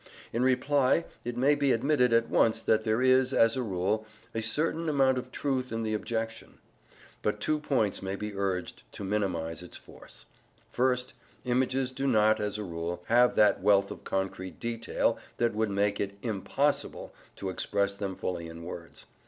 In reply, it may be admitted at once that there is, as a rule, a certain amount of truth in the objection. But two points may be urged to minimize its force. First, images do not, as a rule, have that wealth of concrete detail that would make it IMPOSSIBLE to express them fully in words.